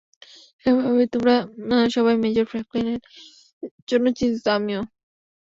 স্বাভাবিকভাবেই, তোমরা সবাই মেজর ফ্র্যাঙ্কলিনের জন্য চিন্তিত, আমিও।